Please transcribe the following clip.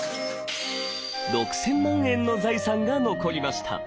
６，０００万円の財産が残りました。